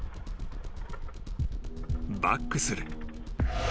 ［バックする］